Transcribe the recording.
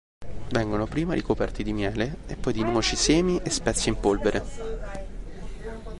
Vengono prima ricoperti di miele e poi di noci, semi e spezie in polvere.